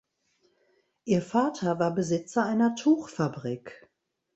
Ihr Vater war Besitzer einer Tuchfabrik.